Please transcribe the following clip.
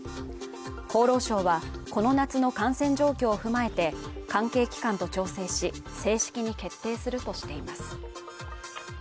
厚労省はこの夏の感染状況を踏まえて関係機関と調整し正式に決定するとしています